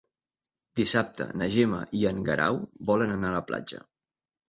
Dissabte na Gemma i en Guerau volen anar a la platja.